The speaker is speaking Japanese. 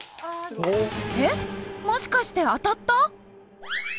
えっもしかして当たった？